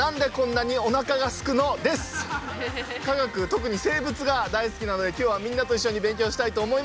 特に生物が大好きなので今日はみんなといっしょに勉強したいと思います。